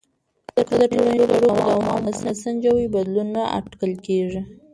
که د ټولنیزو اړیکو دوام ونه سنجوې، بدلون نه اټکل کېږي.